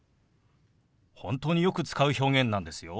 本当によく使う表現なんですよ。